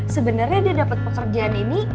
sebenernya dia dapet pekerjaan ini